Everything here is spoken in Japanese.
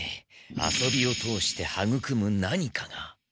遊びを通して育む何かが。